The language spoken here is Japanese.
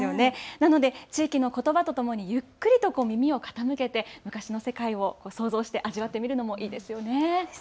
なので地域のことばとともにゆっくりと耳を傾けて昔の世界を想像して味わってみるのもいいですよね。